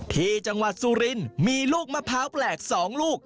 ที่จังหวัดสุรินทร์มีลูกมะพร้าวแปลก๒ลูก